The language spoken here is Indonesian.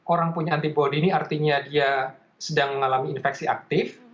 orang punya antibody ini artinya dia sedang mengalami infeksi aktif